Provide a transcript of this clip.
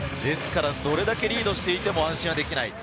ですからどれだけリードしていても安心はできない。